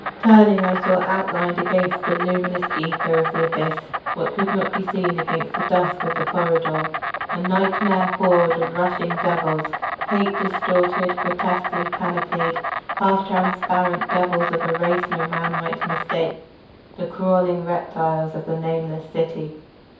Turning, I saw outlined against the luminous aether of the abyss what could not be seen against the dusk of the corridor—a nightmare horde of rushing devils; hate distorted, grotesquely panoplied, half transparent; devils of a race no man might mistake—the crawling reptiles of the nameless city.